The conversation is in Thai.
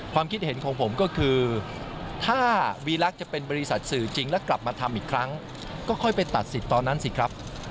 ความคิดเห็นของผมก็คือถ้าวีลักษณ์จะเป็นบริษัทสื่อจริงแล้วกลับมาทำอีกครั้งก็ค่อยไปตัดสิทธิ์ตอนนั้นสิครับ